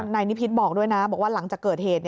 นายนิพิษบอกด้วยนะบอกว่าหลังจากเกิดเหตุ